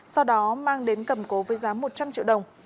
sau đó mang đến cầm cố với giá một trăm linh triệu đồng